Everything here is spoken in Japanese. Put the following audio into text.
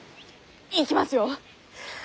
いきますよ。